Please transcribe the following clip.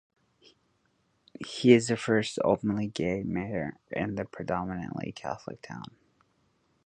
He is the first openly gay mayor in the predominantly Catholic town.